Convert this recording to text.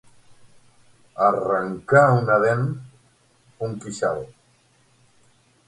Arrencar una dent, un queixal.